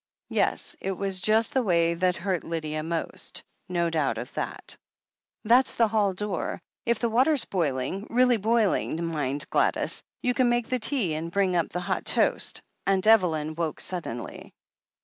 Yes — it was just the way that hurt Lydia most. No doubt of that. "That's the hall door ! If the water's boiling — really boiling, mind, Gladys — ^you can make the tea, and bring up the hot toast." Atmt Evelyn woke suddenly.